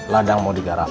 ladang mau digarap